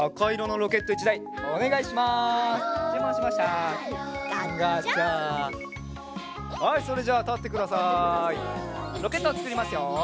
ロケットをつくりますよ。